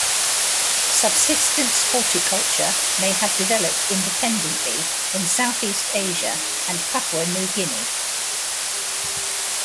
Subsistence horticulture may have developed independently in South East Asia and Papua New Guinea.